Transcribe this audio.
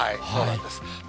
そうなんです。